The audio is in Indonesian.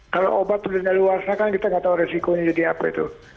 kalau obat berdengar luar sana kan kita nggak tahu resikonya jadi apa itu